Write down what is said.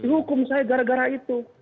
hukum saya gara gara itu